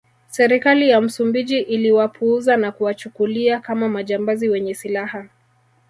Serikali ya Msumbiji iliwapuuza na kuwachukulia kama majambazi wenye silaha